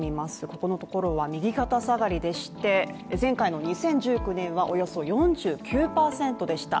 ここのところは右肩下がりでして、前回の２０１９年はおよそ４９％でした。